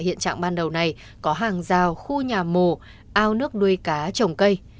hiện trạng ban đầu này có hàng rào khu nhà mồ ao nước nuôi cá trồng cây